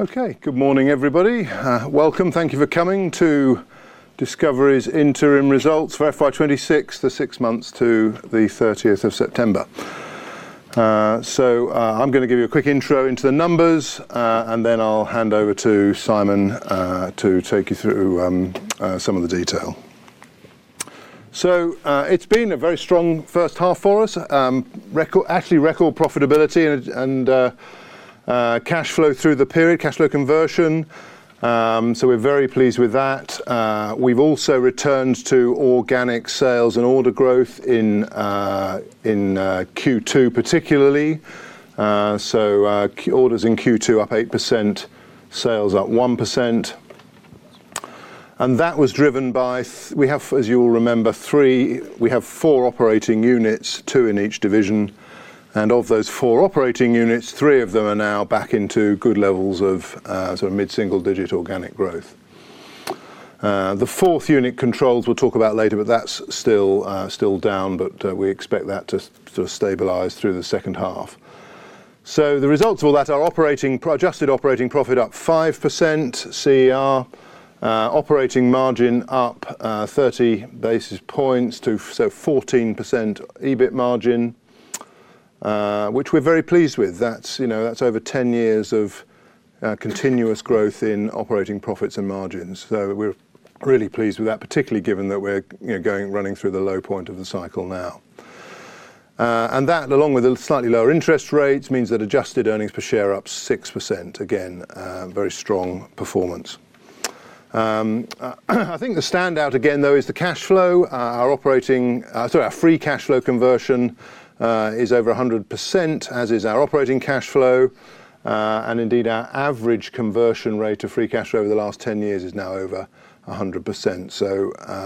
Okay, good morning everybody. Welcome, thank you for coming to discoverIE's interim results for FY26, the six months to the 30th of September. I'm going to give you a quick intro into the numbers, and then I'll hand over to Simon to take you through some of the detail. It's been a very strong first half for us, actually record profitability and cash flow through the period, cash flow conversion. We're very pleased with that. We've also returned to organic sales and order growth in Q2 particularly. Orders in Q2 up 8%, sales up 1%. That was driven by, we have, as you will remember, three, we have four operating units, two in each division. Of those four operating units, three of them are now back into good levels of sort of mid-single digit organic growth. The fourth unit controls, we'll talk about later, but that's still down, but we expect that to stabilize through the second half. The results of all that are adjusted operating profit up 5%, CER, operating margin up 30 basis points to 14% EBIT margin, which we're very pleased with. That's over 10 years of continuous growth in operating profits and margins. We're really pleased with that, particularly given that we're running through the low point of the cycle now. That, along with the slightly lower interest rates, means that adjusted earnings per share are up 6%. Again, very strong performance. I think the standout again though is the cash flow. Our free cash flow conversion is over 100%, as is our operating cash flow. Indeed, our average conversion rate of free cash flow over the last 10 years is now over 100%.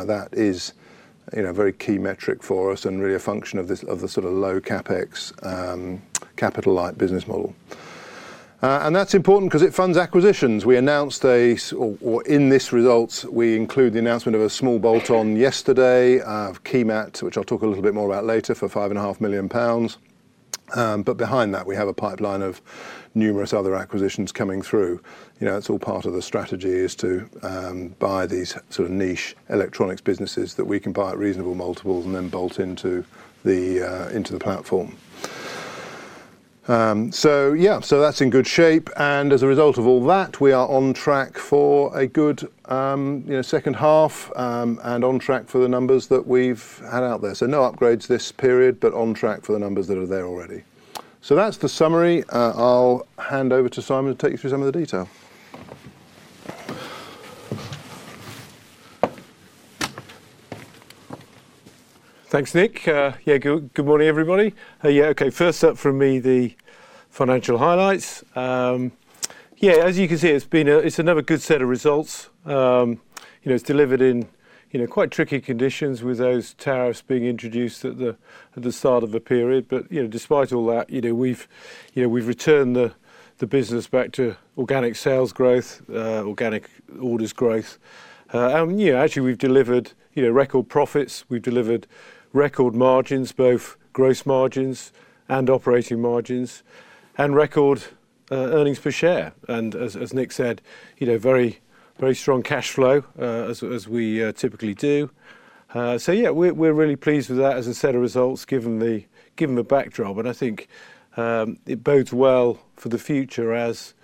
That is a very key metric for us and really a function of the sort of low CapEx, capital-light business model. That is important because it funds acquisitions. We announced a, or in these results, we include the announcement of a small bolt-on yesterday, KeyMat, which I'll talk a little bit more about later, for 5.5 million pounds. Behind that, we have a pipeline of numerous other acquisitions coming through. It is all part of the strategy to buy these sort of niche electronics businesses that we can buy at reasonable multiples and then bolt into the platform. Yeah, that is in good shape. As a result of all that, we are on track for a good second half and on track for the numbers that we have had out there. No upgrades this period, but on track for the numbers that are there already. That's the summary. I'll hand over to Simon to take you through some of the detail. Thanks, Nick. Yeah, good morning everybody. Yeah, okay, first up from me, the financial highlights. Yeah, as you can see, it's another good set of results. It's delivered in quite tricky conditions with those tariffs being introduced at the start of the period. Despite all that, we've returned the business back to organic sales growth, organic orders growth. Actually, we've delivered record profits. We've delivered record margins, both gross margins and operating margins, and record earnings per share. As Nick said, very strong cash flow, as we typically do. Yeah, we're really pleased with that as a set of results given the backdrop. I think it bodes well for the future as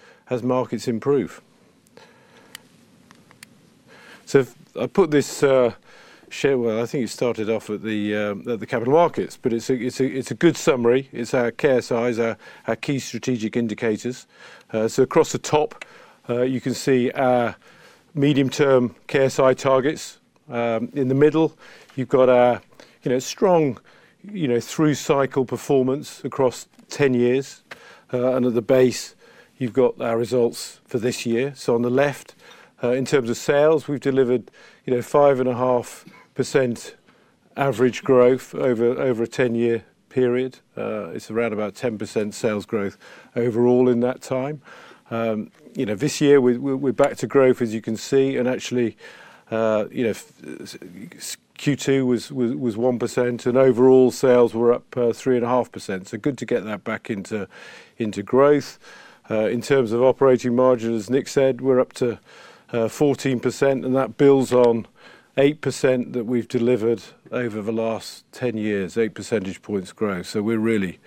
markets improve. I put this share, I think it started off at the capital markets, but it's a good summary. It's our KSIs, our key strategic indicators. Across the top, you can see our medium-term KSI targets. In the middle, you've got our strong through cycle performance across 10 years. At the base, you've got our results for this year. On the left, in terms of sales, we've delivered 5.5% average growth over a 10-year period. It's around about 10% sales growth overall in that time. This year, we're back to growth, as you can see. Actually, Q2 was 1%, and overall sales were up 3.5%. Good to get that back into growth. In terms of operating margins, as Nick said, we're up to 14%, and that builds on 8% that we've delivered over the last 10 years, 8 percentage points growth. We're really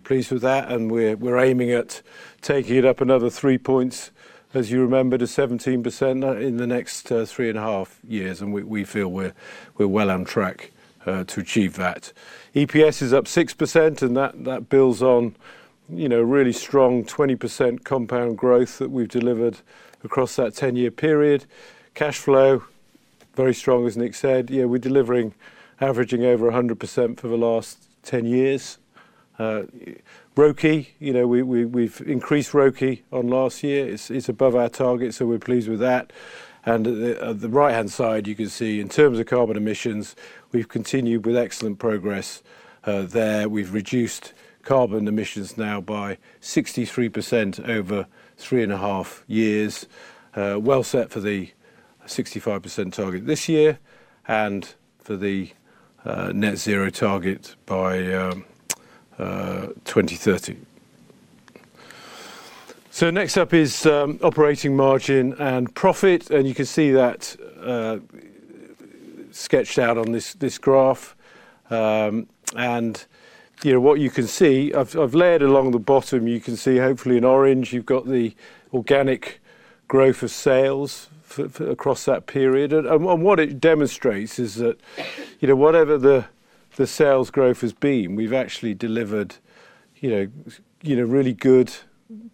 pleased with that, and we're aiming at taking it up another three points, as you remember, to 17% in the next three and a half years. We feel we're well on track to achieve that. EPS is up 6%, and that builds on a really strong 20% compound growth that we've delivered across that 10-year period. Cash flow, very strong, as Nick said. Yeah, we're delivering averaging over 100% for the last 10 years. ROCE, we've increased ROCE on last year. It's above our target, so we're pleased with that. At the right-hand side, you can see in terms of carbon emissions, we've continued with excellent progress there. We've reduced carbon emissions now by 63% over three and a half years. Well set for the 65% target this year and for the net zero target by 2030. Next up is operating margin and profit. You can see that sketched out on this graph. What you can see, I've layered along the bottom, you can see hopefully in orange, you've got the organic growth of sales across that period. What it demonstrates is that whatever the sales growth has been, we've actually delivered really good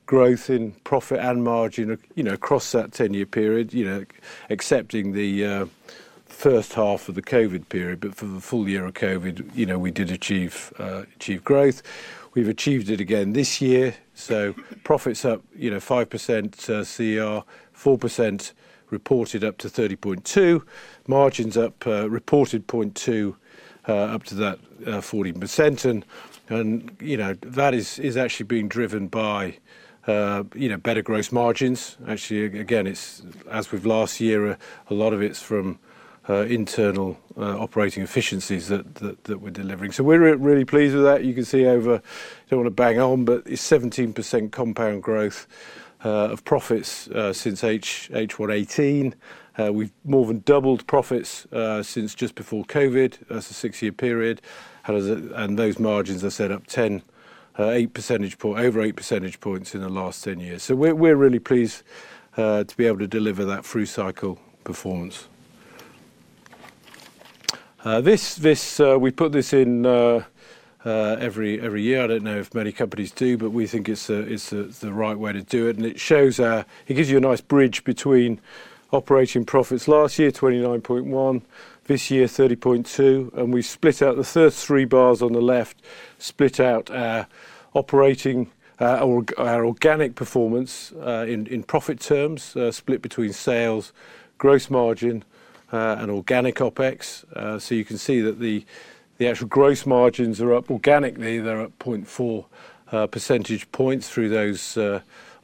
growth in profit and margin across that 10-year period, excepting the first half of the COVID period. For the full year of COVID, we did achieve growth. We've achieved it again this year. Profits up 5% CER, 4% reported up to 30.2 million, margins up reported 0.2 percentage points up to that 14%. That is actually being driven by better gross margins. Actually, again, as with last year, a lot of it's from internal operating efficiencies that we're delivering. We're really pleased with that. You can see over, I don't want to bang on, but it's 17% compound growth of profits since H1 2018. We've more than doubled profits since just before COVID, that's a six-year period. Those margins are set up 10, over 8 percentage points in the last 10 years. We are really pleased to be able to deliver that through cycle performance. We put this in every year. I don't know if many companies do, but we think it's the right way to do it. It gives you a nice bridge between operating profits last year, 29.1 million, this year, 30.2 million. We split out the first three bars on the left, split out our organic performance in profit terms, split between sales, gross margin, and organic OPEX. You can see that the actual gross margins are up organically. They're at 0.4 percentage points through those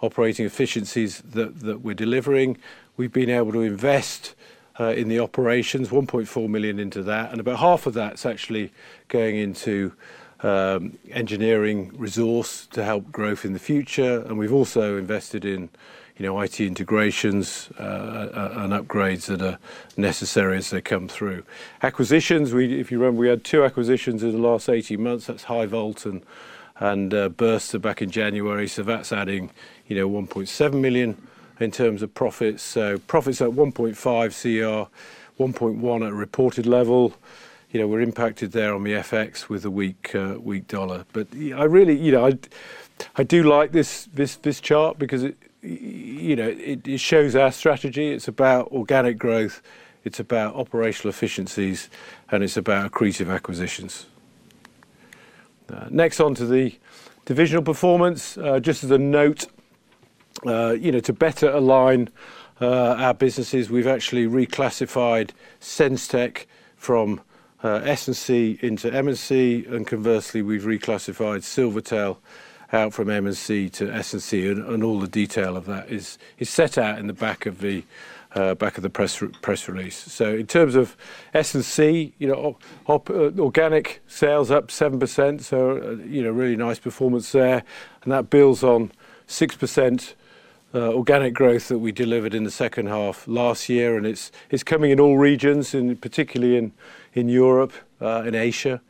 operating efficiencies that we're delivering. We've been able to invest in the operations, 1.4 million into that. About half of that's actually going into engineering resource to help growth in the future. We've also invested in IT integrations and upgrades that are necessary as they come through. Acquisitions, if you remember, we had two acquisitions in the last 18 months. That's Highvolt and Burster back in January. That's adding 1.7 million in terms of profits. Profits at 1.5 million CER, 1.1 million at a reported level. We're impacted there on the FX with a weak dollar. I do like this chart because it shows our strategy. It's about organic growth. It's about operational efficiencies, and it's about creative acquisitions. Next, on to the divisional performance. Just as a note, to better align our businesses, we've actually reclassified SenseTech from S&C into M&C. Conversely, we've reclassified Silvertel out from M&C to S&C. All the detail of that is set out in the back of the press release. In terms of S&C, organic sales up 7%. Really nice performance there. That builds on 6% organic growth that we delivered in the second half last year. It is coming in all regions, particularly in Europe and Asia.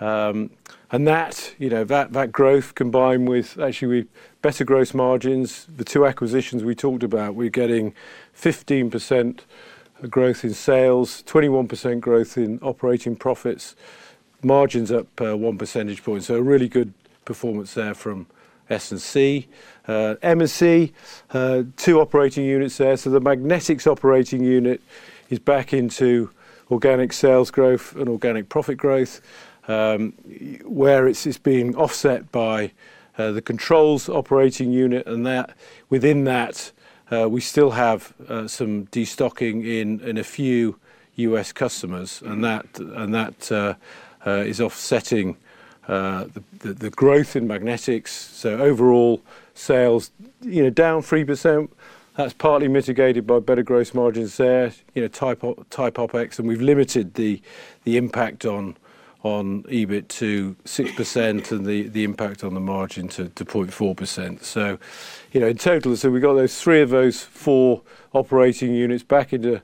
That growth combined with actually better gross margins, the two acquisitions we talked about, we are getting 15% growth in sales, 21% growth in operating profits, margins up 1 percentage point. Really good performance there from S&C. M&C, two operating units there. The magnetics operating unit is back into organic sales growth and organic profit growth, where it is being offset by the controls operating unit. Within that, we still have some destocking in a few U.S. customers. That is offsetting the growth in magnetics. Overall sales, down 3%. That is partly mitigated by better gross margins there, type OPEX. We have limited the impact on EBIT to 6% and the impact on the margin to 0.4%. In total, we have got three of those four operating units back into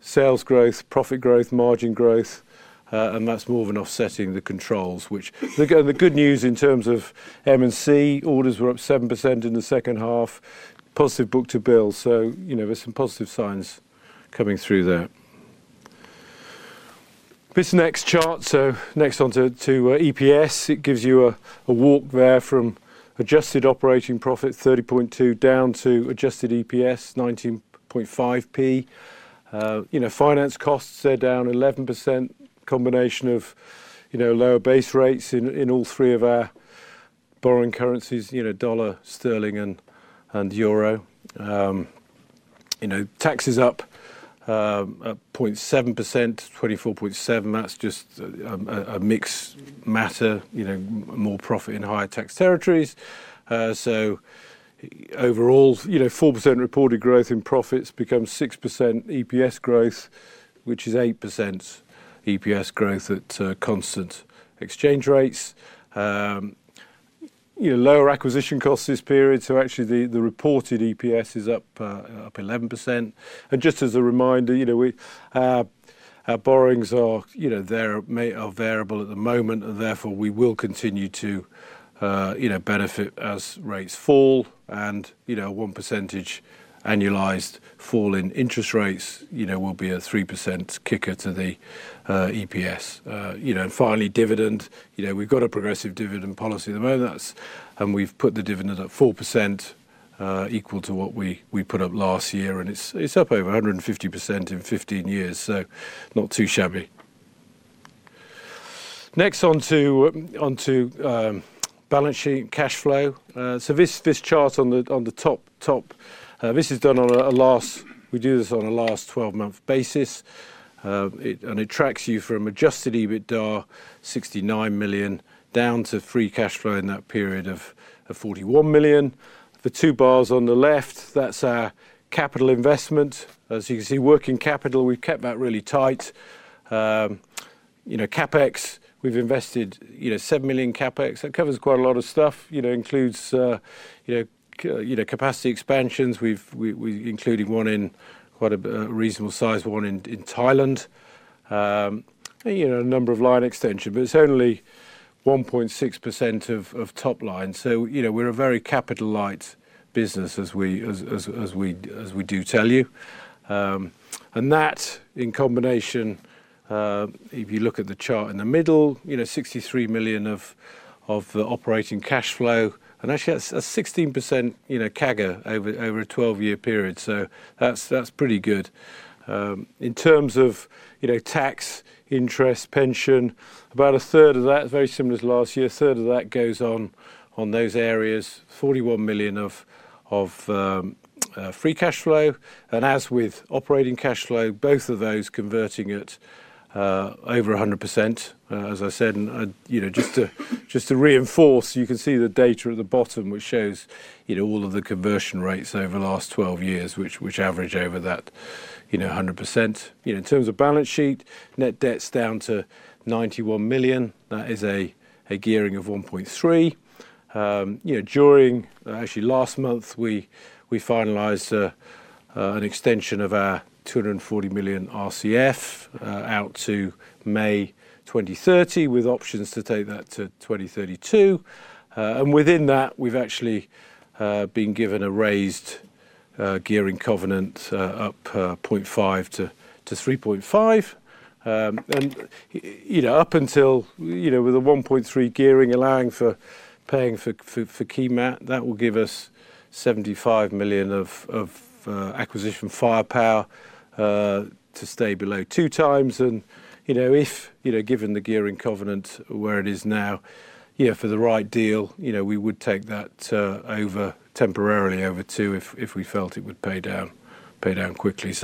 sales growth, profit growth, margin growth. That is more of an offsetting the controls, which the good news in terms of M&C orders were up 7% in the second half, positive book to bill. There are some positive signs coming through there. This next chart, next on to EPS, it gives you a walk there from adjusted operating profit, 30.2 million, down to adjusted EPS, 19.5p. Finance costs are down 11%, combination of lower base rates in all three of our borrowing currencies, dollar, sterling, and euro. Taxes up 0.7%, 24.7%. That is just a mixed matter, more profit in higher tax territories. Overall, 4% reported growth in profits becomes 6% EPS growth, which is 8% EPS growth at constant exchange rates. Lower acquisition costs this period. Actually, the reported EPS is up 11%. Just as a reminder, our borrowings are variable at the moment. Therefore, we will continue to benefit as rates fall. A 1% annualized fall in interest rates will be a 3% kicker to the EPS. Finally, dividend. We've got a progressive dividend policy at the moment. We've put the dividend at 4%, equal to what we put up last year. It's up over 150% in 15 years. Not too shabby. Next, on to balance sheet cash flow. This chart on the top, this is done on a last, we do this on a last 12-month basis. It tracks you from adjusted EBITDA 69 million down to free cash flow in that period of 41 million. The two bars on the left, that's our capital investment. As you can see, working capital, we've kept that really tight. CapEx, we've invested 7 million CapEx. That covers quite a lot of stuff. Includes capacity expansions, including one in quite a reasonable size, one in Thailand. A number of line extensions, but it's only 1.6% of top line. We are a very capital-light business, as we do tell you. That, in combination, if you look at the chart in the middle, 63 million of the operating cash flow. Actually, that's a 16% CAGR over a 12-year period. That's pretty good. In terms of tax, interest, pension, about a third of that, very similar to last year, a third of that goes on those areas, 41 million of free cash flow. As with operating cash flow, both of those converting at over 100%. As I said, just to reinforce, you can see the data at the bottom, which shows all of the conversion rates over the last 12 years, which average over that 100%. In terms of balance sheet, net debt's down to 91 million. That is a gearing of 1.3. During actually last month, we finalized an extension of our 240 million RCF out to May 2030 with options to take that to 2032. Within that, we've actually been given a raised gearing covenant up 0.5 to 3.5. Up until with a 1.3 gearing allowing for paying for KeyMat, that will give us 75 million of acquisition firepower to stay below two times. If given the gearing covenant where it is now, for the right deal, we would take that temporarily over two if we felt it would pay down quickly.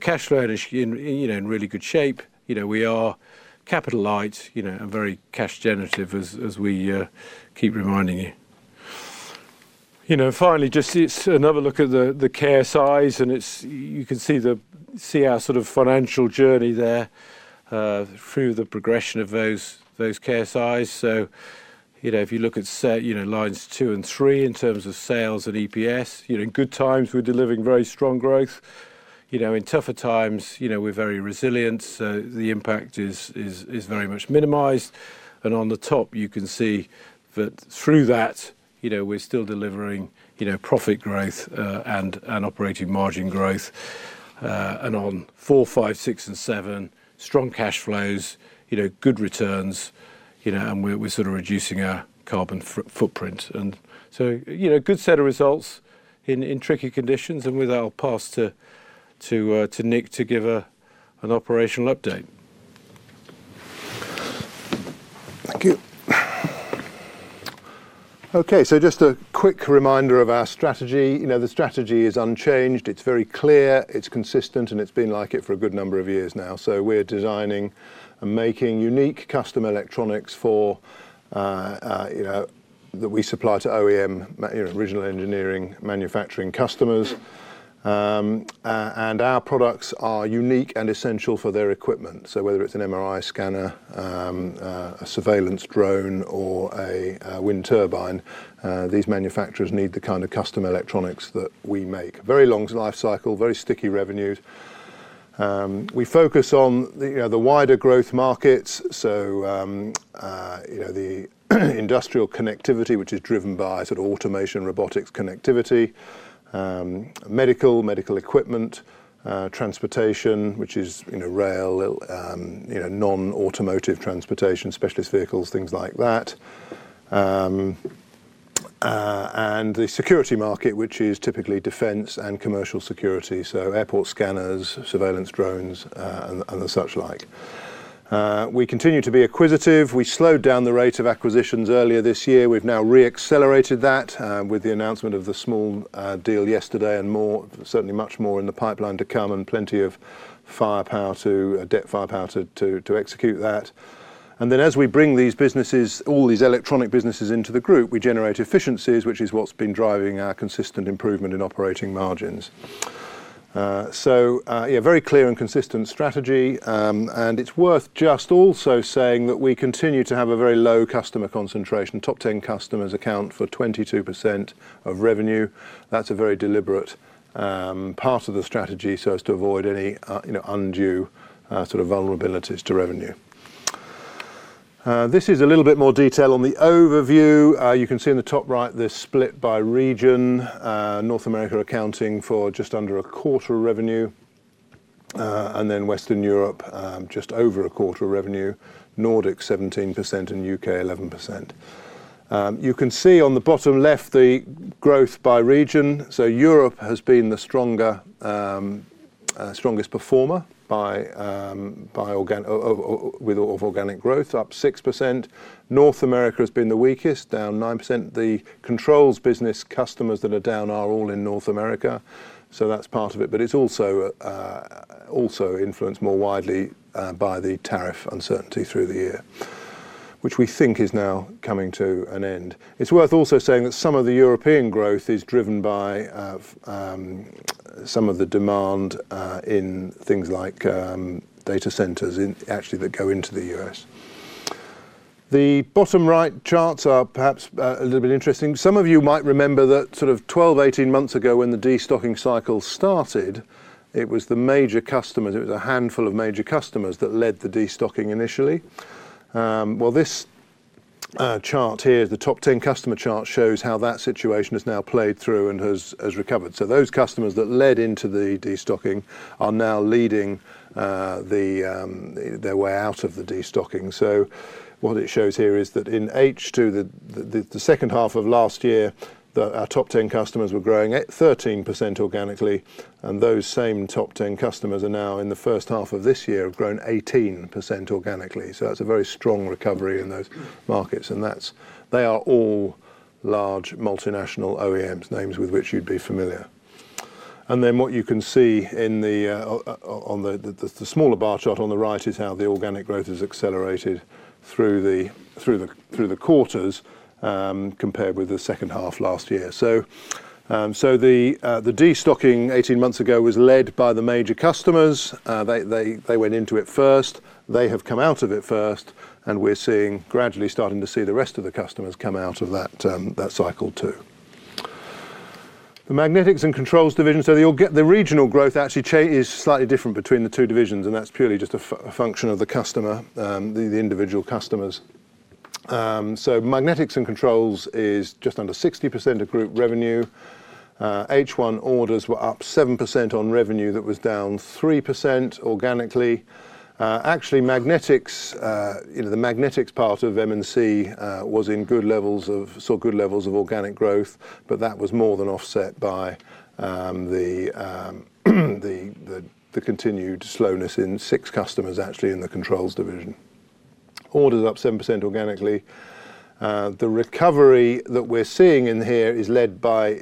Cash flow is in really good shape. We are capital-light and very cash-generative, as we keep reminding you. Finally, just another look at the care size. You can see our sort of financial journey there through the progression of those care sizes. If you look at lines two and three in terms of sales and EPS, in good times, we are delivering very strong growth. In tougher times, we are very resilient. The impact is very much minimized. On the top, you can see that through that, we're still delivering profit growth and operating margin growth. On four, five, six, and seven, strong cash flows, good returns, and we're sort of reducing our carbon footprint. A good set of results in tricky conditions. With that, I'll pass to Nick to give an operational update. Thank you. Okay. Just a quick reminder of our strategy. The strategy is unchanged. It's very clear. It's consistent, and it's been like it for a good number of years now. We're designing and making unique custom electronics that we supply to OEM, original engineering, manufacturing customers. Our products are unique and essential for their equipment. Whether it's an MRI scanner, a surveillance drone, or a wind turbine, these manufacturers need the kind of custom electronics that we make. Very long lifecycle, very sticky revenues. We focus on the wider growth markets. The industrial connectivity, which is driven by sort of automation, robotics, connectivity, medical, medical equipment, transportation, which is rail, non-automotive transportation, specialist vehicles, things like that. The security market, which is typically defense and commercial security. Airport scanners, surveillance drones, and the such like. We continue to be acquisitive. We slowed down the rate of acquisitions earlier this year. We have now reaccelerated that with the announcement of the small deal yesterday and more, certainly much more in the pipeline to come and plenty of debt firepower to execute that. As we bring all these electronic businesses into the group, we generate efficiencies, which is what has been driving our consistent improvement in operating margins. Very clear and consistent strategy. It is worth just also saying that we continue to have a very low customer concentration. Top 10 customers account for 22% of revenue. That's a very deliberate part of the strategy so as to avoid any undue sort of vulnerabilities to revenue. This is a little bit more detail on the overview. You can see in the top right, there's split by region. North America accounting for just under a quarter of revenue. And then Western Europe, just over a quarter of revenue. Nordics, 17%, and U.K., 11%. You can see on the bottom left the growth by region. Europe has been the strongest performer with organic growth, up 6%. North America has been the weakest, down 9%. The controls business customers that are down are all in North America. That is part of it. It is also influenced more widely by the tariff uncertainty through the year, which we think is now coming to an end. It's worth also saying that some of the European growth is driven by some of the demand in things like data centers actually that go into the U.S. The bottom right charts are perhaps a little bit interesting. Some of you might remember that sort of 12, 18 months ago when the destocking cycle started, it was the major customers. It was a handful of major customers that led the destocking initially. This chart here, the top 10 customer chart, shows how that situation has now played through and has recovered. Those customers that led into the destocking are now leading their way out of the destocking. What it shows here is that in H2, the second half of last year, our top 10 customers were growing at 13% organically. Those same top 10 customers are now in the first half of this year have grown 18% organically. That is a very strong recovery in those markets. They are all large multinational OEMs, names with which you'd be familiar. What you can see on the smaller bar chart on the right is how the organic growth has accelerated through the quarters compared with the second half last year. The destocking 18 months ago was led by the major customers. They went into it first. They have come out of it first. We're gradually starting to see the rest of the customers come out of that cycle too. The Magnetics and Controls division. The regional growth actually is slightly different between the two divisions. That is purely just a function of the individual customers. Magnetics and controls is just under 60% of group revenue. H1 orders were up 7% on revenue that was down 3% organically. Actually, the magnetics part of M&C was in good levels of, saw good levels of organic growth. That was more than offset by the continued slowness in six customers actually in the controls division. Orders up 7% organically. The recovery that we are seeing in here is led by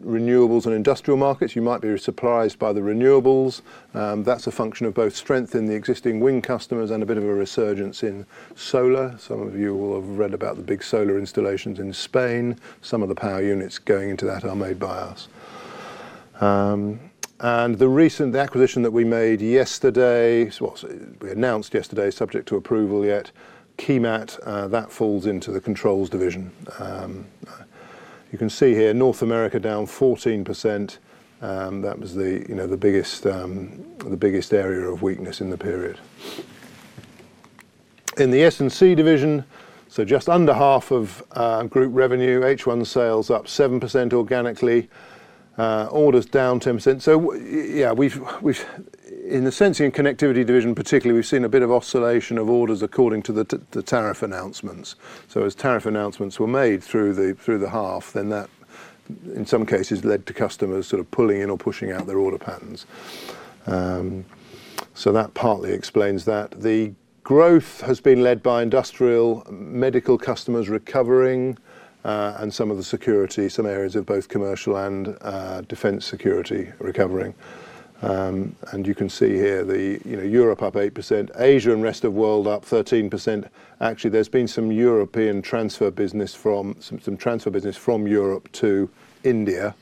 renewables and industrial markets. You might be surprised by the renewables. That is a function of both strength in the existing wind customers and a bit of a resurgence in solar. Some of you will have read about the big solar installations in Spain. Some of the power units going into that are made by us. The acquisition that we made yesterday, we announced yesterday, subject to approval yet, KeyMat, that falls into the controls division. You can see here, North America down 14%. That was the biggest area of weakness in the period. In the S&C division, just under half of group revenue, H1 sales up 7% organically. Orders down 10%. In the sensing and connectivity division, particularly, we've seen a bit of oscillation of orders according to the tariff announcements. As tariff announcements were made through the half, that, in some cases, led to customers sort of pulling in or pushing out their order patterns. That partly explains that. The growth has been led by industrial, medical customers recovering, and some of the security, some areas of both commercial and defense security recovering. You can see here, Europe up 8%. Asia and rest of world up 13%. Actually, there's been some European transfer business from some transfer business from Europe to India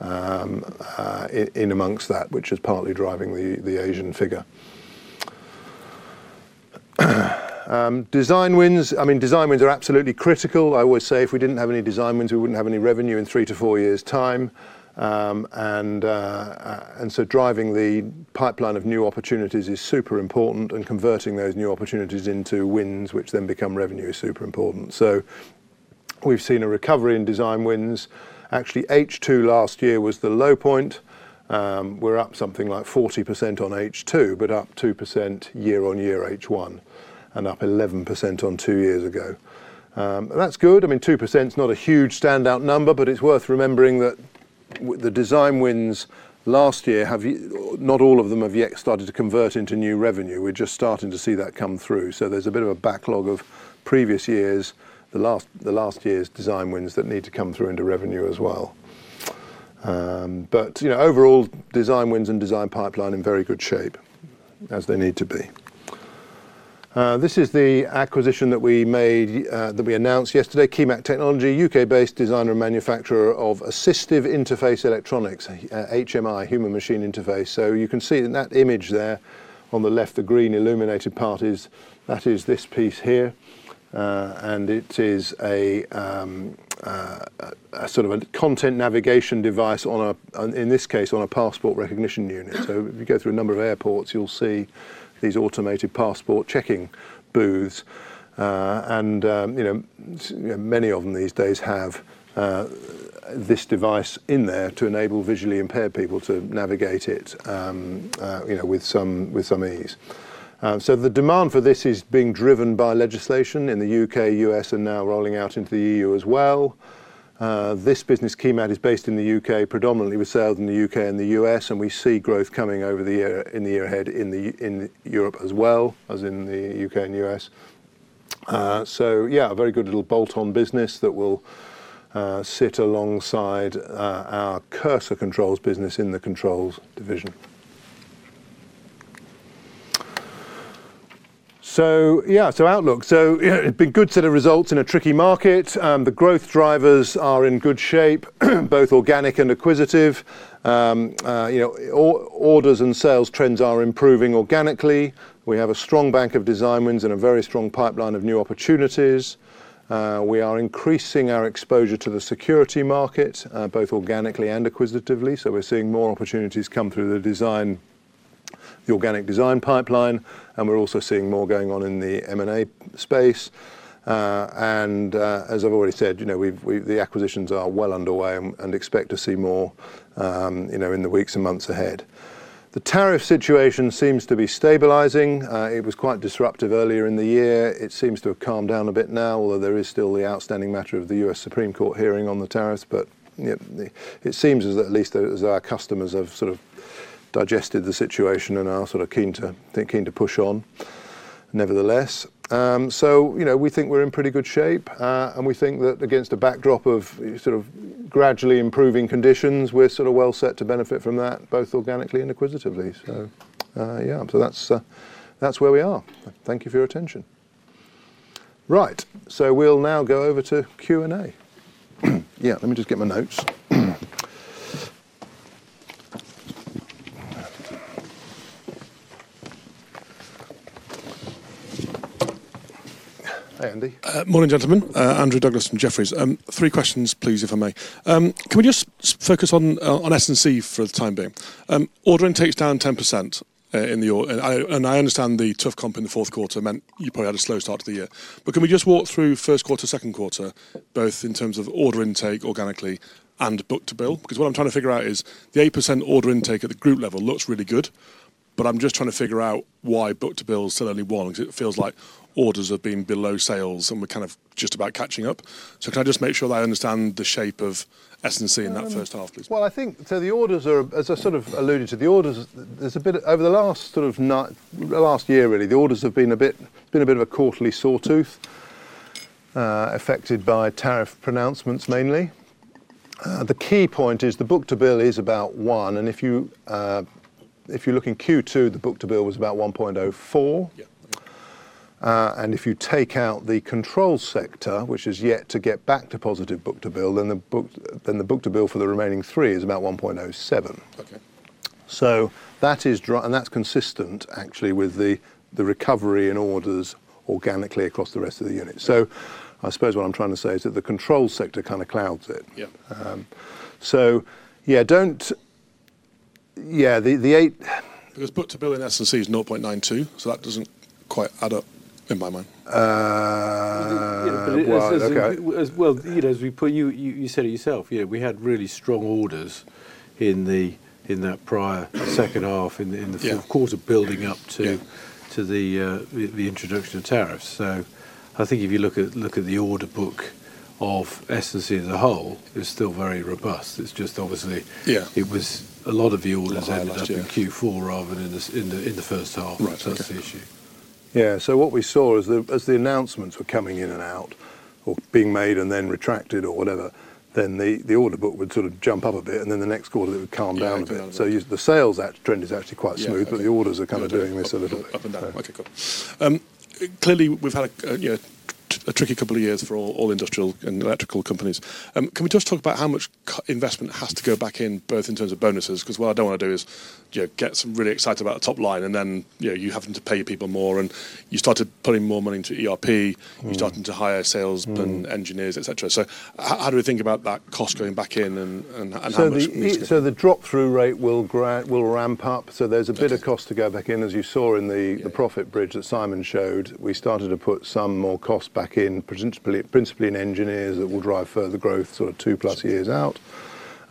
in amongst that, which is partly driving the Asian figure. Design wins. I mean, design wins are absolutely critical. I always say if we didn't have any design wins, we wouldn't have any revenue in three to four years' time. Driving the pipeline of new opportunities is super important. Converting those new opportunities into wins, which then become revenue, is super important. We've seen a recovery in design wins. Actually, H2 last year was the low point. We're up something like 40% on H2, but up 2% year on year H1, and up 11% on two years ago. That's good. I mean, 2% is not a huge standout number, but it's worth remembering that the design wins last year, not all of them have yet started to convert into new revenue. We're just starting to see that come through. There's a bit of a backlog of previous years, last year's design wins that need to come through into revenue as well. Overall, design wins and design pipeline in very good shape as they need to be. This is the acquisition that we announced yesterday, KeyMat Technology, U.K.-based designer and manufacturer of assistive interface electronics, HMI, human-machine interface. You can see in that image there on the left, the green illuminated part, that is this piece here. It is a sort of content navigation device, in this case, on a passport recognition unit. If you go through a number of airports, you'll see these automated passport checking booths. Many of them these days have this device in there to enable visually impaired people to navigate it with some ease. The demand for this is being driven by legislation in the U.K., U.S., and now rolling out into the EU as well. This business, KeyMat, is based in the U.K., predominantly was selling in the U.K. and the U.S. We see growth coming over the year ahead in Europe as well as in the U.K. and U.S. A very good little bolt-on business that will sit alongside our Cursor Controls business in the Controls division. Outlook. It has been a good set of results in a tricky market. The growth drivers are in good shape, both organic and acquisitive. Orders and sales trends are improving organically. We have a strong bank of design wins and a very strong pipeline of new opportunities. We are increasing our exposure to the security market, both organically and acquisitively. We're seeing more opportunities come through the organic design pipeline. We're also seeing more going on in the M&A space. As I've already said, the acquisitions are well underway and expect to see more in the weeks and months ahead. The tariff situation seems to be stabilizing. It was quite disruptive earlier in the year. It seems to have calmed down a bit now, although there is still the outstanding matter of the U.S. Supreme Court hearing on the tariffs. It seems as though at least our customers have sort of digested the situation and are sort of keen to push on, nevertheless. We think we're in pretty good shape. We think that against a backdrop of sort of gradually improving conditions, we're sort of well set to benefit from that, both organically and acquisitively. Yeah, that's where we are. Thank you for your attention. Right. We'll now go over to Q&A. Let me just get my notes. Hey, Andy. Morning, gentlemen. Andrew Douglas from Jefferies. Three questions, please, if I may. Can we just focus on S&C for the time being? Order intake's down 10% in the—and I understand the tough comp in the fourth quarter meant you probably had a slow start to the year. Can we just walk through first quarter, second quarter, both in terms of order intake organically and book to bill? What I'm trying to figure out is the 8% order intake at the group level looks really good. I'm just trying to figure out why book to bill is still only one because it feels like orders have been below sales and we're kind of just about catching up. Can I just make sure that I understand the shape of S&C in that first half, please? I think the orders are—as I sort of alluded to, the orders, there is a bit over the last year, really, the orders have been a bit of a quarterly sawtooth affected by tariff pronouncements mainly. The key point is the book to bill is about 1. And if you look in Q2, the book to bill was about 1.04. If you take out the controls sector, which has yet to get back to positive book to bill, then the book to bill for the remaining three is about 1.07. That is dry. That is consistent, actually, with the recovery in orders organically across the rest of the unit. I suppose what I am trying to say is that the controls sector kind of clouds it. Yeah, do not—yeah, the eight. Because book to bill in S&C is 0.92. That does not quite add up in my mind. As you put, you said it yourself, yeah, we had really strong orders in that prior second half, in the fourth quarter building up to the introduction of tariffs. I think if you look at the order book of S&C as a whole, it is still very robust. It is just obviously a lot of the orders ended up in Q4 rather than in the first half. That is the issue. Yeah. What we saw is as the announcements were coming in and out or being made and then retracted or whatever, the order book would sort of jump up a bit. The next quarter, it would calm down a bit. The sales trend is actually quite smooth, but the orders are kind of doing this a little bit. Clearly, we've had a tricky couple of years for all industrial and electrical companies. Can we just talk about how much investment has to go back in, both in terms of bonuses? Because what I don't want to do is get really excited about the top line and then you're having to pay people more. You started putting more money into ERP. You're starting to hire sales and engineers, etc. How do we think about that cost going back in and how much? The drop-through rate will ramp up. There's a bit of cost to go back in. As you saw in the profit bridge that Simon showed, we started to put some more cost back in, principally in engineers that will drive further growth sort of two-plus years out.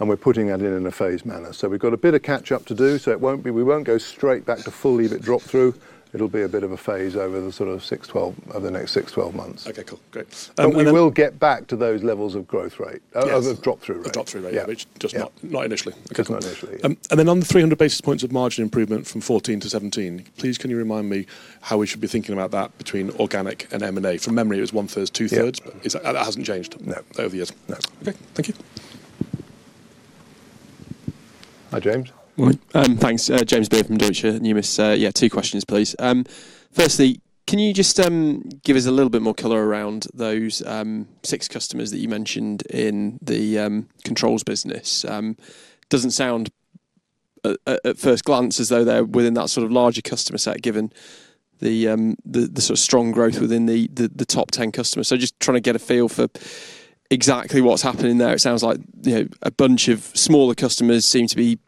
We are putting that in in a phased manner. We have got a bit of catch-up to do. We will not go straight back to full EBIT drop-through. It will be a bit of a phase over the sort of 6-12, over the next 6-12 months. Okay. Cool. Great. We will get back to those levels of drop-through rate. Drop-through rate, yeah, just not initially. Just not initially. On the 300 basis points of margin improvement from 14 to 17, please, can you remind me how we should be thinking about that between organic and M&A? From memory, it was one-third, two-thirds. That has not changed over the years. No. Okay. Thank you. Hi, James. Thanks. James Byrne from Deutsche Numis. Yeah, two questions, please. Firstly, can you just give us a little bit more color around those six customers that you mentioned in the controls business? Doesn't sound, at first glance, as though they're within that sort of larger customer set given the sort of strong growth within the top 10 customers. Just trying to get a feel for exactly what's happening there. It sounds like a bunch of smaller customers seem to be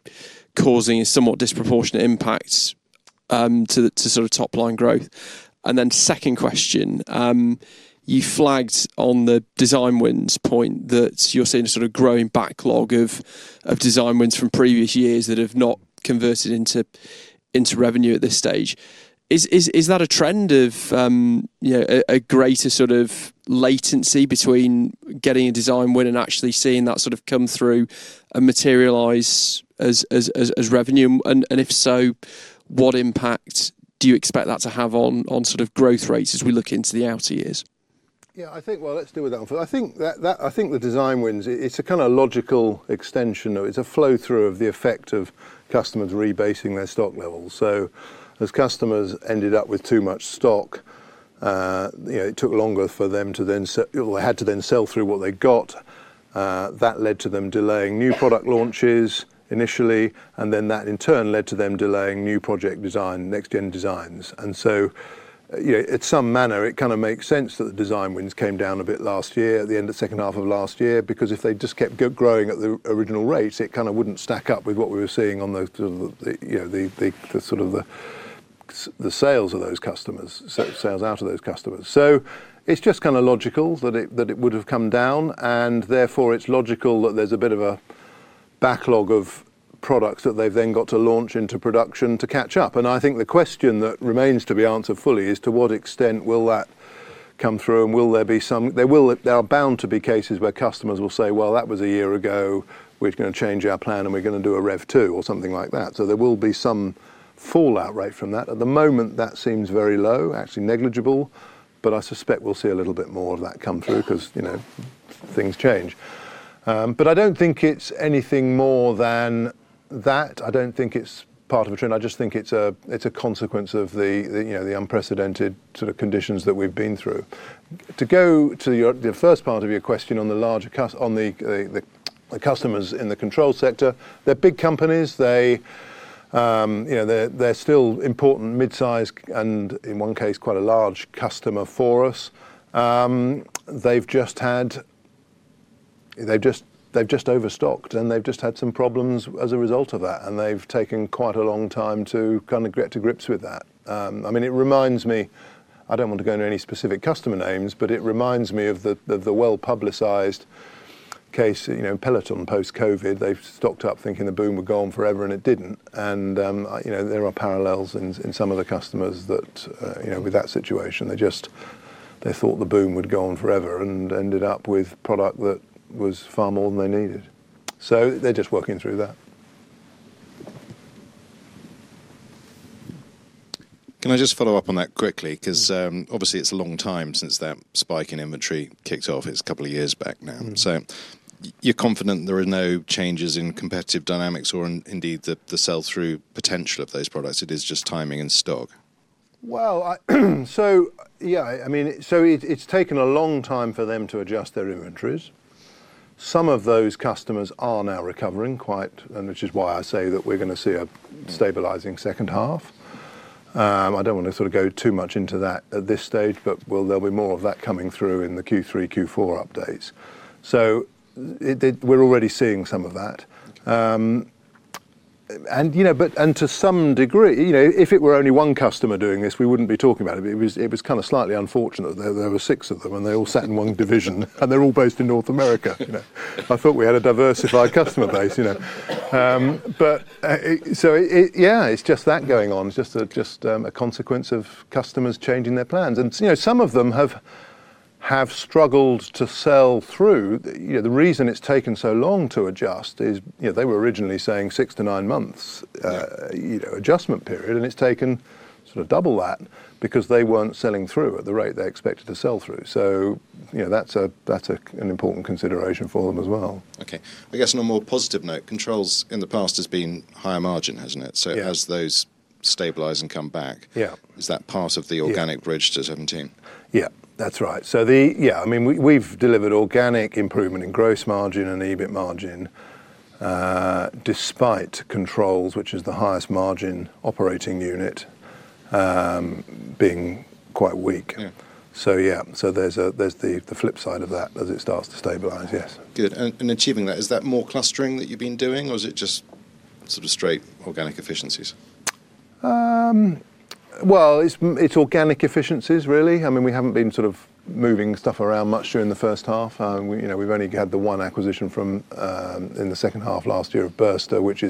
causing somewhat disproportionate impacts to sort of top-line growth. Second question, you flagged on the design wins point that you're seeing a sort of growing backlog of design wins from previous years that have not converted into revenue at this stage. Is that a trend of a greater sort of latency between getting a design win and actually seeing that sort of come through and materialize as revenue? If so, what impact do you expect that to have on sort of growth rates as we look into the outer years? Yeah. Let's deal with that. I think the design wins, it's a kind of logical extension. It's a flow-through of the effect of customers rebasing their stock levels. As customers ended up with too much stock, it took longer for them to then—well, they had to then sell through what they got. That led to them delaying new product launches initially. That, in turn, led to them delaying new project design, next-gen designs. In some manner, it kind of makes sense that the design wins came down a bit last year at the end of the second half of last year because if they just kept growing at the original rate, it kind of would not stack up with what we were seeing on the sales of those customers, sales out of those customers. It is just kind of logical that it would have come down. Therefore, it is logical that there is a bit of a backlog of products that they have then got to launch into production to catch up. I think the question that remains to be answered fully is to what extent will that come through? Will there be some—there are bound to be cases where customers will say, "Well, that was a year ago. We're going to change our plan, and we're going to do a rev two or something like that. There will be some fallout rate from that. At the moment, that seems very low, actually negligible. I suspect we'll see a little bit more of that come through because things change. I don't think it's anything more than that. I don't think it's part of a trend. I just think it's a consequence of the unprecedented sort of conditions that we've been through. To go to the first part of your question on the larger customers, on the customers in the controls sector, they're big companies. They're still important, mid-size, and in one case, quite a large customer for us. They've just overstocked, and they've just had some problems as a result of that. They've taken quite a long time to kind of get to grips with that. I mean, it reminds me—I don't want to go into any specific customer names, but it reminds me of the well-publicized case in Peloton post-COVID. They stocked up thinking the boom would go on forever, and it didn't. There are parallels in some of the customers that, with that situation, they just thought the boom would go on forever and ended up with product that was far more than they needed. They're just working through that. Can I just follow up on that quickly? Because obviously, it's a long time since that spike in inventory kicked off. It's a couple of years back now. You're confident there are no changes in competitive dynamics or indeed the sell-through potential of those products? It is just timing and stock. Yeah, I mean, it's taken a long time for them to adjust their inventories. Some of those customers are now recovering quite, which is why I say that we're going to see a stabilizing second half. I don't want to sort of go too much into that at this stage, but there will be more of that coming through in the Q3, Q4 updates. We're already seeing some of that. To some degree, if it were only one customer doing this, we would not be talking about it. It was kind of slightly unfortunate that there were six of them, and they all sat in one division, and they are all based in North America. I thought we had a diversified customer base. Yeah, it's just that going on. It's just a consequence of customers changing their plans. Some of them have struggled to sell through. The reason it's taken so long to adjust is they were originally saying six to nine months adjustment period, and it's taken sort of double that because they weren't selling through at the rate they expected to sell through. That's an important consideration for them as well. Okay. I guess on a more positive note, controls in the past has been higher margin, hasn't it? As those stabilize and come back, is that part of the organic bridge to 17%? Yeah, that's right. I mean, we've delivered organic improvement in gross margin and EBIT margin despite controls, which is the highest margin operating unit, being quite weak. There's the flip side of that as it starts to stabilize, yes. Good. Achieving that, is that more clustering that you've been doing, or is it just sort of straight organic efficiencies? It is organic efficiencies, really. I mean, we haven't been sort of moving stuff around much during the first half. We've only had the one acquisition in the second half last year of Burster, which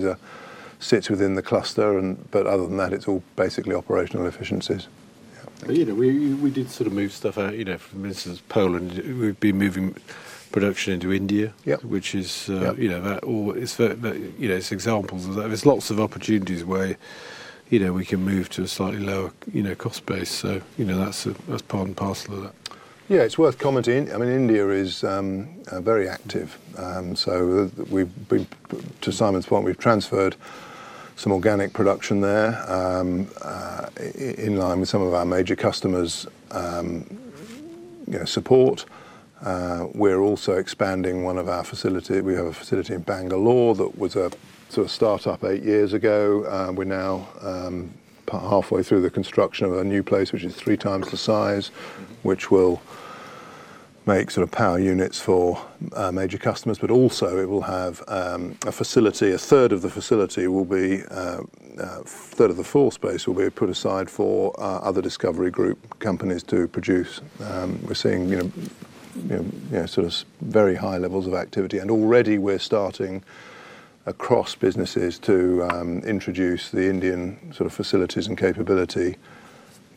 sits within the cluster. Other than that, it is all basically operational efficiencies. Yeah. We did sort of move stuff out. For instance, Poland, we've been moving production into India, which is, it is examples of that. There are lots of opportunities where we can move to a slightly lower cost base. That is part and parcel of that. Yeah, it is worth commenting. I mean, India is very active. To Simon's point, we've transferred some organic production there in line with some of our major customers' support. We are also expanding one of our facilities. We have a facility in Bangalore that was a sort of startup eight years ago. We're now halfway through the construction of a new place, which is three times the size, which will make sort of power units for major customers. Also, it will have a facility, a third of the facility will be—a third of the floor space will be put aside for other discoverIE Group companies to produce. We're seeing sort of very high levels of activity. Already, we're starting across businesses to introduce the Indian sort of facilities and capability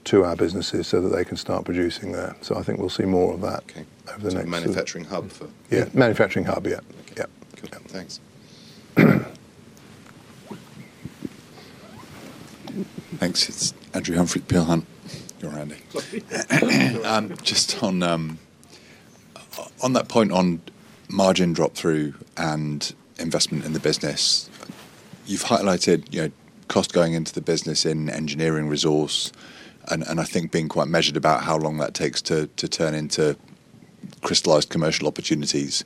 to our businesses so that they can start producing there. I think we'll see more of that over the next—Okay. Manufacturing hub for— Yeah, manufacturing hub, yeah. Yeah. Cool. Thanks. Thanks. It's Andrew Humphrey, Peel Hunt. You're handy. Just on that point on margin drop-through and investment in the business, you've highlighted cost going into the business in engineering resource and I think being quite measured about how long that takes to turn into crystalized commercial opportunities.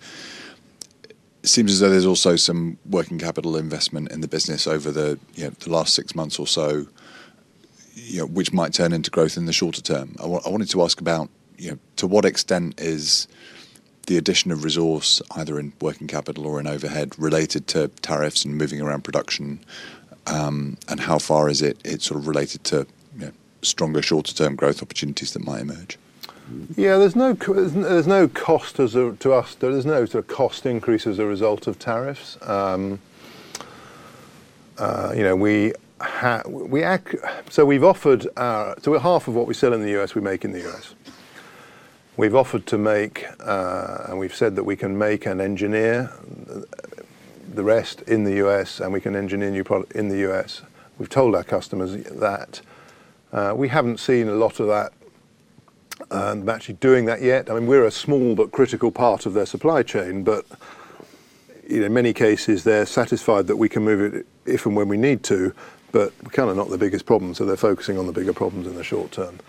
It seems as though there's also some working capital investment in the business over the last six months or so, which might turn into growth in the shorter term. I wanted to ask about to what extent is the addition of resource, either in working capital or in overhead, related to tariffs and moving around production? And how far is it sort of related to stronger shorter-term growth opportunities that might emerge? Yeah, there's no cost to us. There's no sort of cost increase as a result of tariffs. We have offered—so half of what we sell in the U.S., we make in the U.S. We've offered to make, and we've said that we can make and engineer the rest in the U.S., and we can engineer new product in the U.S. We've told our customers that. I mean, we're a small but critical part of their supply chain. In many cases, they're satisfied that we can move it if and when we need to, but kind of not the biggest problem. They're focusing on the bigger problems in the short term.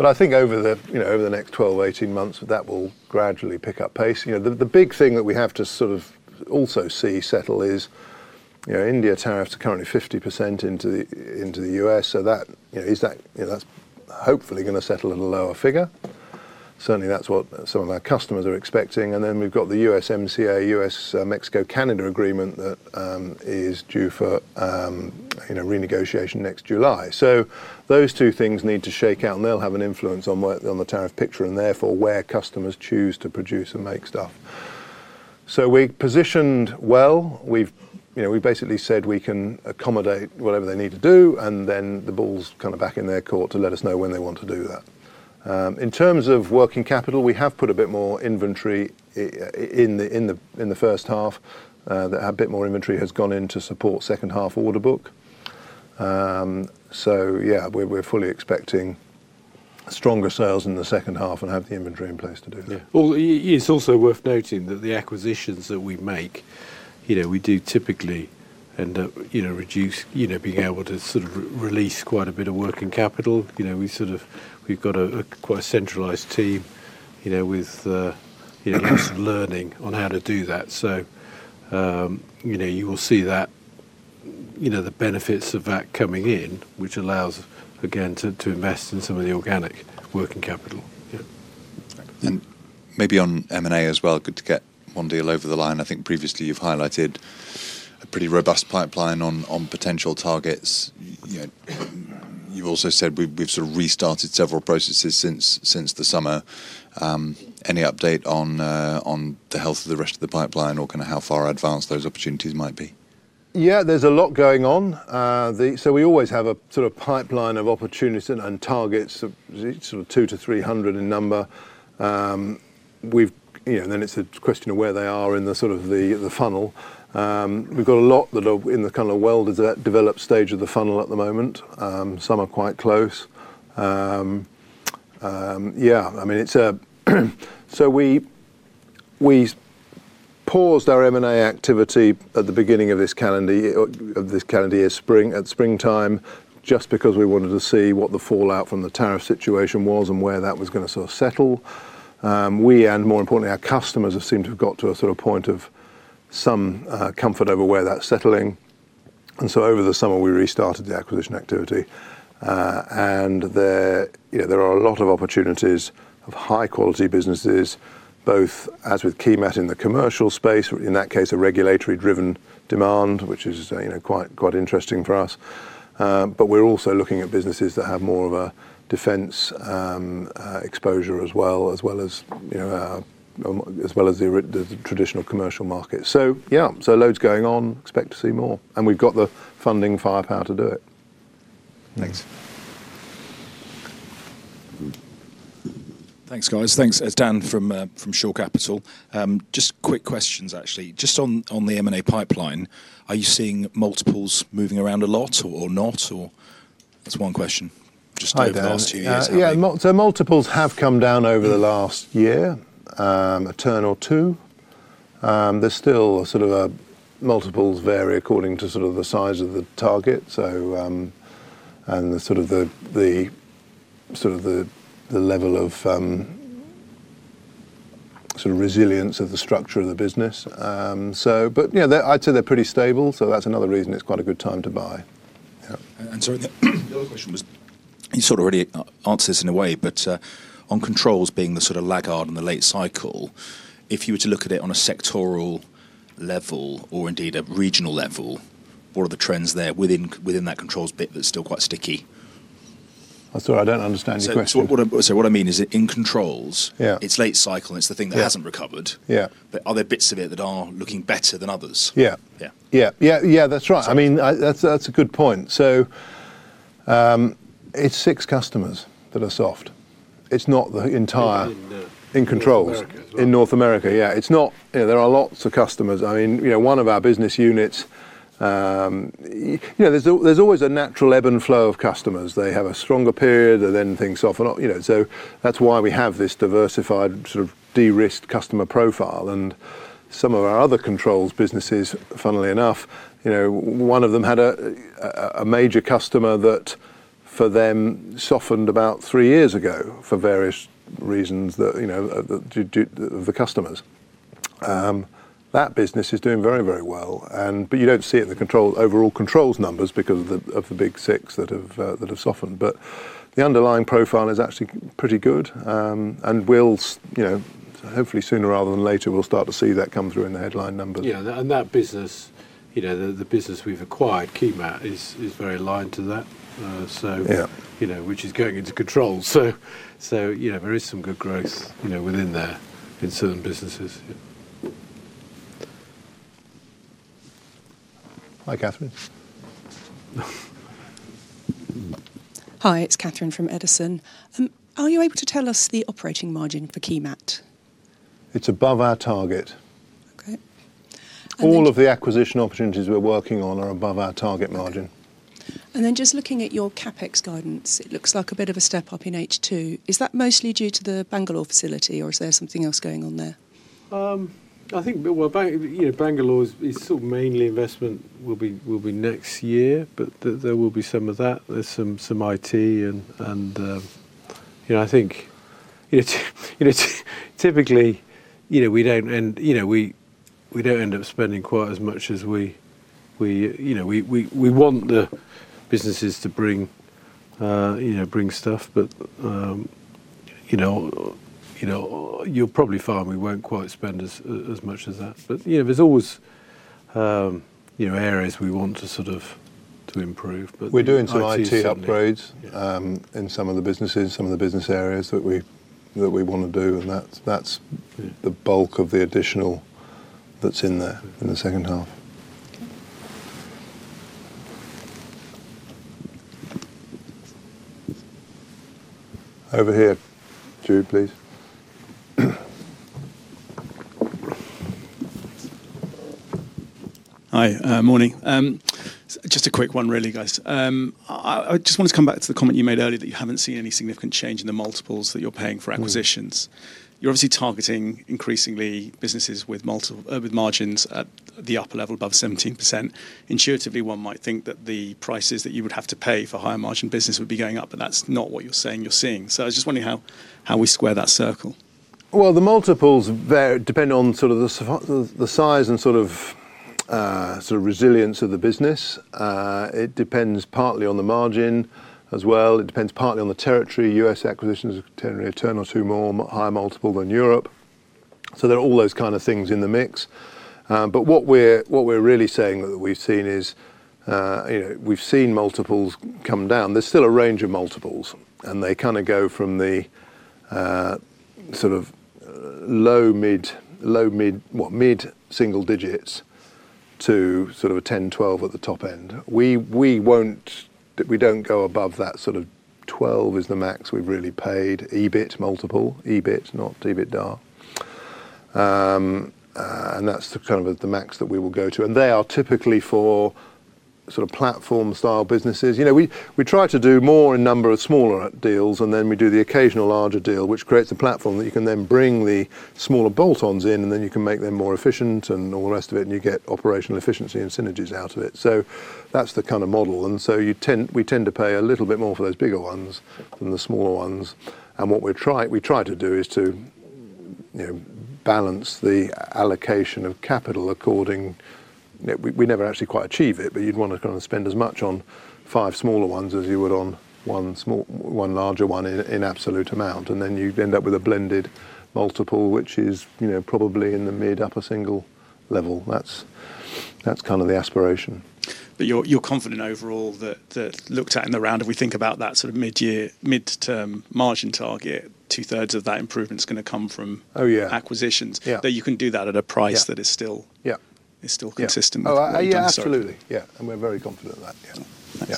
I think over the next 12-18 months, that will gradually pick up pace. The big thing that we have to sort of also see settle is India tariffs are currently 50% into the U.S. That is hopefully going to settle at a lower figure. Certainly, that's what some of our customers are expecting. We have the US-Mexico-Canada agreement that is due for renegotiation next July. Those two things need to shake out, and they'll have an influence on the tariff picture and therefore where customers choose to produce and make stuff. We have positioned well. We have basically said we can accommodate whatever they need to do, and the bull's kind of back in their court to let us know when they want to do that. In terms of working capital, we have put a bit more inventory in the first half. A bit more inventory has gone in to support second half order book. We are fully expecting stronger sales in the second half and have the inventory in place to do that. It's also worth noting that the acquisitions that we make, we do typically end up reducing being able to sort of release quite a bit of working capital. We've got a quite centralized team with lots of learning on how to do that. You will see the benefits of that coming in, which allows, again, to invest in some of the organic working capital. Yeah. Maybe on M&A as well, good to get one deal over the line. I think previously you've highlighted a pretty robust pipeline on potential targets. You've also said we've sort of restarted several processes since the summer. Any update on the health of the rest of the pipeline or kind of how far advanced those opportunities might be? Yeah, there's a lot going on. We always have a sort of pipeline of opportunities and targets of sort of 200-300 in number. Then it's a question of where they are in the sort of the funnel. We've got a lot that are in the kind of well-developed stage of the funnel at the moment. Some are quite close. Yeah. I mean, we paused our M&A activity at the beginning of this calendar year springtime just because we wanted to see what the fallout from the tariff situation was and where that was going to sort of settle. We, and more importantly, our customers have seemed to have got to a sort of point of some comfort over where that's settling. Over the summer, we restarted the acquisition activity. There are a lot of opportunities of high-quality businesses, both as with KeyMat in the commercial space, in that case, a regulatory-driven demand, which is quite interesting for us. We are also looking at businesses that have more of a defense exposure as well, as well as the traditional commercial market. Yeah, loads going on. Expect to see more. We have the funding firepower to do it. Thanks. Thanks, guys. Thanks. Dan from Shore Capital. Just quick questions, actually. Just on the M&A pipeline, are you seeing multiples moving around a lot or not? That is one question. Just over the last few years. Yeah. Multiples have come down over the last year, a turn or two. Multiples vary according to the size of the target and the level of resilience of the structure of the business. I'd say they're pretty stable. That's another reason it's quite a good time to buy. Yeah. The other question was, you already answered this in a way, but on controls being the laggard in the late cycle, if you were to look at it on a sectoral level or indeed a regional level, what are the trends there within that controls bit that's still quite sticky? I'm sorry, I don't understand your question. What I mean is in controls, it's late cycle, and it's the thing that hasn't recovered. Are there bits of it that are looking better than others? Yeah. Yeah. Yeah. Yeah. That's right. I mean, that's a good point. It's six customers that are soft. It's not the entire controls. In North America. In North America, yeah. It's not. There are lots of customers. I mean, one of our business units, there's always a natural ebb and flow of customers. They have a stronger period, and then things soften. That's why we have this diversified sort of de-risked customer profile. Some of our other controls businesses, funnily enough, one of them had a major customer that for them softened about three years ago for various reasons of the customers. That business is doing very, very well. You don't see it in the overall controls numbers because of the big six that have softened. The underlying profile is actually pretty good. Hopefully sooner rather than later, we'll start to see that come through in the headline numbers. Yeah. And that business, the business we've acquired, KeyMat, is very aligned to that, which is going into controls. There is some good growth within there in certain businesses. Hi, Catherine. Hi, it's Catherine from Edison. Are you able to tell us the operating margin for KeyMat? It's above our target. Okay. All of the acquisition opportunities we're working on are above our target margin. Just looking at your CapEx guidance, it looks like a bit of a step up in H2. Is that mostly due to the Bangalore facility, or is there something else going on there? I think Bangalore is sort of mainly investment will be next year, but there will be some of that. There's some IT, and I think typically we don't end up spending quite as much as we want the businesses to bring stuff. You'll probably find we won't quite spend as much as that. There's always areas we want to sort of improve. We're doing some IT upgrades in some of the businesses, some of the business areas that we want to do. That's the bulk of the additional that's in there in the second half. Over here, Jude, please. Hi. Morning. Just a quick one, really, guys. I just wanted to come back to the comment you made earlier that you haven't seen any significant change in the multiples that you're paying for acquisitions. You're obviously targeting increasingly businesses with margins at the upper level, above 17%. Intuitively, one might think that the prices that you would have to pay for higher margin business would be going up, but that's not what you're saying you're seeing. I was just wondering how we square that circle. The multiples depend on sort of the size and sort of resilience of the business. It depends partly on the margin as well. It depends partly on the territory. US acquisitions are generally a turn or two more high multiple than Europe. There are all those kind of things in the mix. What we are really saying that we have seen is we have seen multiples come down. There is still a range of multiples. They kind of go from the sort of low-mid single digits to a 10-12 at the top end. We do not go above that. Twelve is the max we have really paid. EBIT, multiple. EBIT, not EBITDA. That is kind of the max that we will go to. They are typically for sort of platform-style businesses. We try to do more in number of smaller deals, and then we do the occasional larger deal, which creates a platform that you can then bring the smaller bolt-ons in, and then you can make them more efficient and all the rest of it, and you get operational efficiency and synergies out of it. That is the kind of model. We tend to pay a little bit more for those bigger ones than the smaller ones. What we try to do is to balance the allocation of capital accordingly. We never actually quite achieve it, but you would want to kind of spend as much on five smaller ones as you would on one larger one in absolute amount. You would end up with a blended multiple, which is probably in the mid-upper single level. That is kind of the aspiration. You're confident overall that looked at in the round, if we think about that sort of mid-term margin target, two-thirds of that improvement is going to come from acquisitions. That you can do that at a price that is still consistent with the target. Yeah. Absolutely. Yeah. And we're very confident of that. Yeah.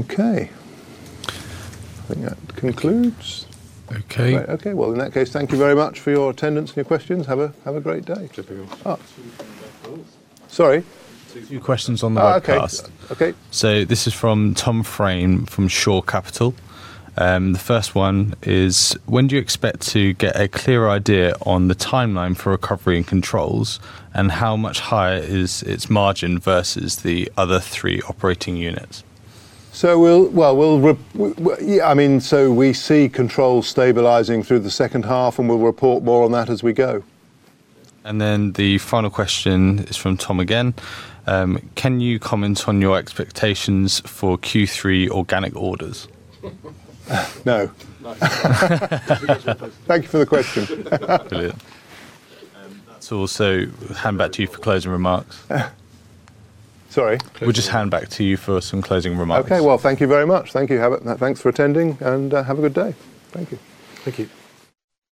Okay. I think that concludes. Okay. Okay. In that case, thank you very much for your attendance and your questions. Have a great day. Sorry. Two questions on the podcast. Okay. This is from Tom Frain from Shore Capital. The first one is, when do you expect to get a clear idea on the timeline for recovery in controls and how much higher is its margin versus the other three operating units? We'll, I mean, we see controls stabilizing through the second half, and we'll report more on that as we go. The final question is from Tom again. Can you comment on your expectations for Q3 organic orders? No. Thank you for the question. Brilliant. That's all. Hand back to you for closing remarks. Sorry. We'll just hand back to you for some closing remarks. Thank you very much. Thank you, Habit. Thanks for attending, and have a good day. Thank you. Thank you.